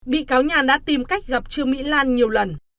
bị cáo nhàn đã tìm cách gặp trương mỹ lan nhiều lần